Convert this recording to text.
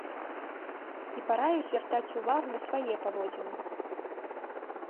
І параіў звяртаць увагу на свае паводзіны.